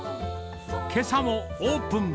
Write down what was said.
けさもオープン。